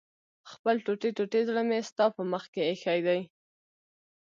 خپل ټوټې ټوټې زړه مې ستا په مخ کې ايښی دی